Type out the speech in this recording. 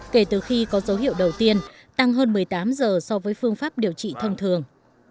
kể từ khi có dấu hiệu đầu tiên tăng hơn một mươi tám giờ so với phương pháp điều trị thông thường